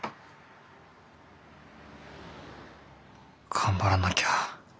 頑張らなきゃ。